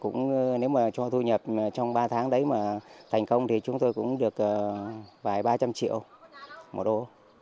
cũng nếu mà cho thu nhập trong ba tháng đấy mà thành công thì chúng tôi cũng được vài ba trăm linh triệu một đô